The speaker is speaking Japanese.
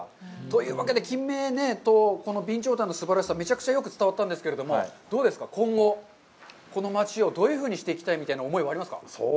というわけで、キンメ、と、この備長炭のすばらしさ、めちゃくちゃよく伝わったんですけども、どうですか、今後、この町をどういうふうにしていきたいみたいな思いはありますか。